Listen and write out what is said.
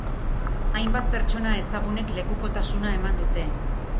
Hainbat pertsona ezagunek lekukotasuna eman dute.